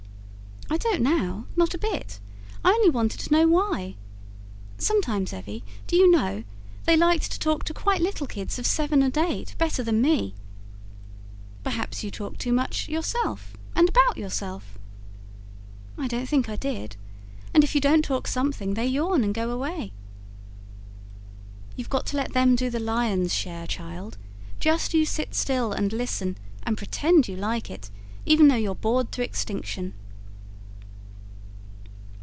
"I don't now not a bit. I only wanted to know why. Sometimes, Evvy, do you know, they liked to talk to quite little kids of seven and eight better than me." "Perhaps you talked too much yourself and about yourself?" "I don't think I did. And if you don't talk something, they yawn and go away." "You've got to let them do the lion's share, child. Just you sit still, and listen, and pretend you like it even though you're bored to extinction."